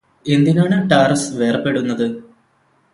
എന്തിനാണ് ടാര്സ് വേര്പെടുന്നത്